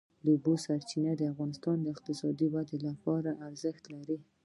د اوبو سرچینې د افغانستان د اقتصادي ودې لپاره ارزښت لري.